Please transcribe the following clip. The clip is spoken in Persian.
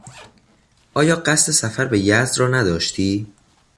آیا قصد سفر به یزد را نداشتی؟